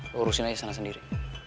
lo urusin aja sana sendiri